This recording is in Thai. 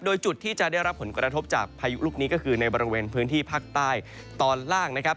โดยจุดที่จะได้รับผลกระทบจากพายุลูกนี้ก็คือในบริเวณพื้นที่ภาคใต้ตอนล่างนะครับ